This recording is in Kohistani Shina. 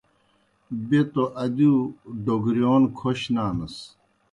بیْہ توْ ادِیؤ ڈوگرِیون کھوش نانَس۔